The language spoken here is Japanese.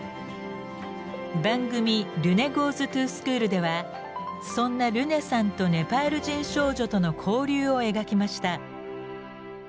番組「ＲｅｎｅＧｏｅｓｔｏＳｃｈｏｏｌ」ではそんなルネさんとネパール人少女との交流を描きました。